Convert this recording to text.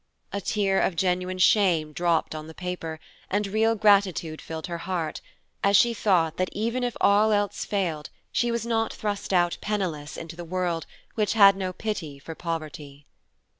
A tear of genuine shame dropped on the paper, and real gratitude filled her heart, as she thought that even if all else failed, she was not thrust out penniless into the world, which had no pity for poverty.